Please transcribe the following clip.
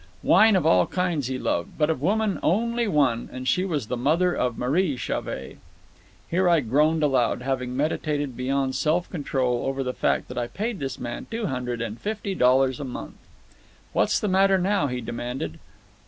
Wine of all kinds he loved, but of woman, only one, and she was the mother of Marie Chauvet." Here I groaned aloud, having meditated beyond self control over the fact that I paid this man two hundred and fifty dollars a month. "What's the matter now?" he demanded.